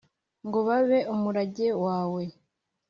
Ngo babe umurage wawe